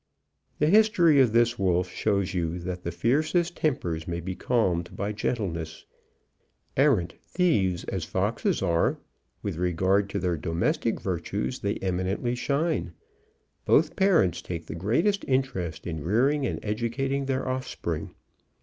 The history of this wolf shows you that the fiercest tempers may be calmed by gentleness. Arrant thieves as foxes are, with regard to their domestic virtues they eminently shine. Both parents take the greatest interest in rearing and educating their offspring.